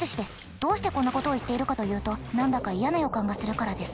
どうしてこんなことを言っているかというと何だか嫌な予感がするからです。